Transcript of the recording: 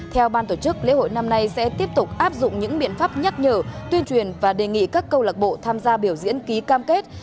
theo ban tổ chức lễ hội năm nay sẽ tiếp tục áp dụng những biện pháp nhắc nhở tuyên truyền và đề nghị các câu lạc bộ tham gia biểu diễn ký cam kết